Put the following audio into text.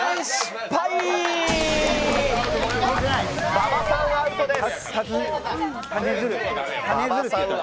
馬場さん、アウトです。